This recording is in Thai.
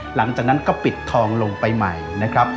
หลังจากนั้นก็ปิดทองลงไปใหม่นะครับ